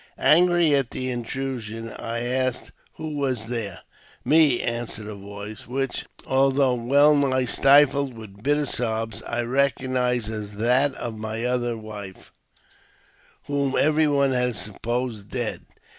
Angry at the intrusion, I asked who was there. *' Me," answered a voice, which, although well nigh stifled with bitter sobs, I recognized as that of my other wife, whom 8 114 AUTOBIOGBAPHY OF every one had supposed dead.